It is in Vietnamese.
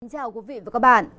xin chào quý vị và các bạn